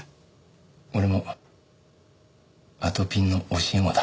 俺もあとぴんの教え子だ。